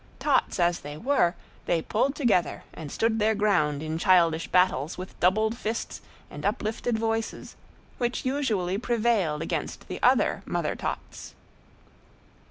Tots as they were, they pulled together and stood their ground in childish battles with doubled fists and uplifted voices, which usually prevailed against the other mother tots.